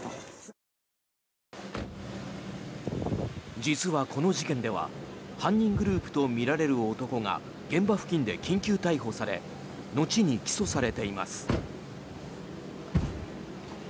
実はこの事件では犯人グループとみられる男が現場付近で緊急逮捕され後に起訴されています。